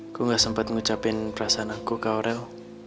aku gak sempat ngucapin perasaan aku ke orel